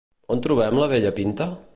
On trobem la vella Pinta?